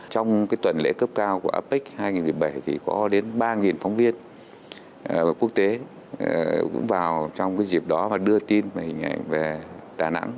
trong tuần lễ cấp cao của apec hai nghìn một mươi bảy thì có đến ba phóng viên quốc tế vào trong dịp đó đưa tin hình ảnh về đà nẵng